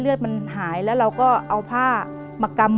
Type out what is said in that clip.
เปลี่ยนเพลงเพลงเก่งของคุณและข้ามผิดได้๑คำ